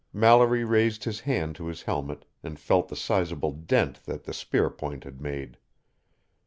Mallory raised his hand to his helmet and felt the sizable dent that the spearpoint had made.